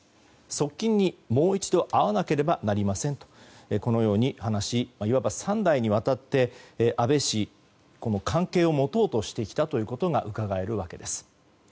側近に、もう一度会わなければなりませんと話しいわば３代にわたって安倍氏と関係を持とうとしてきたことがうかがえるわけです。